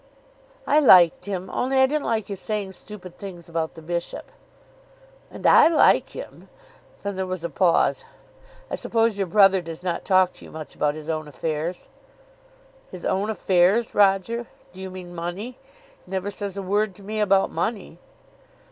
"I liked him; only I didn't like his saying stupid things about the bishop." "And I like him." Then there was a pause. "I suppose your brother does not talk to you much about his own affairs." "His own affairs, Roger? Do you mean money? He never says a word to me about money."